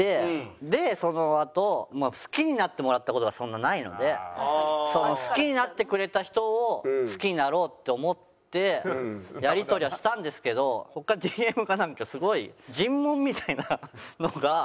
でそのあと好きになってもらった事がそんなないので好きになってくれた人を好きになろうって思ってやり取りはしたんですけどＤＭがなんかすごい尋問みたいなのが始まってちょっと嫌になっちゃって。